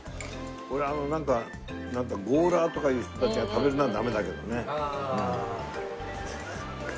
俺あのなんかゴーラーとかいう人たちが食べるのはダメだけどね。